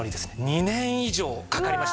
２年以上かかりました。